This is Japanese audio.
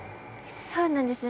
そうなんですね。